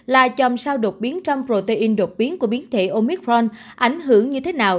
là chầm sao đột biến trong protein đột biến của biến thể omicron ảnh hưởng như thế nào